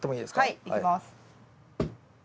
はいいきます。